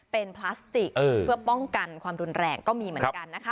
เป็นพลาสติกเพื่อป้องกันความรุนแรงก็มีเหมือนกันนะคะ